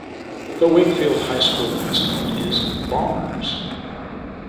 The Wakefield High School mascot is Bombers.